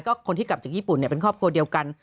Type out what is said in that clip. ก็คนที่กลับจากญี่ปุ่นเป็นครอบครัวเดียวกัน